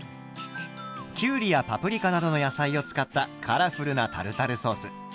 きゅうりやパプリカなどの野菜を使ったカラフルなタルタルソース。